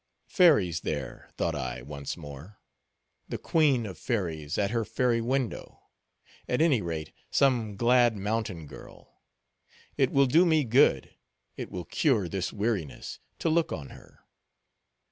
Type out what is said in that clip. Fairies there, thought I, once more; the queen of fairies at her fairy window; at any rate, some glad mountain girl; it will do me good, it will cure this weariness, to look on her.